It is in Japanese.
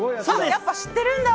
やっぱ知ってるんだ。